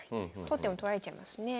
取っても取られちゃいますね。